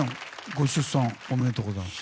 ご出産おめでとうございます。